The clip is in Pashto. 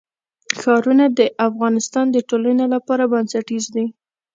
ښارونه د افغانستان د ټولنې لپاره بنسټیز دي.